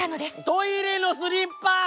トイレのスリッパ！